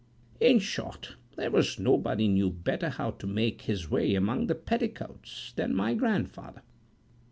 In short, there was nobody knew better how to make his way among the petticoats than my grandfather.